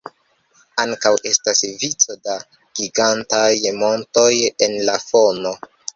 Ankaŭ estas vico da gigantaj montoj en la fono.